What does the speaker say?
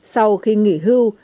sau khi nghỉ hưu